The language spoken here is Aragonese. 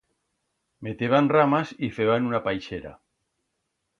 Meteban ramas y feban una paixera.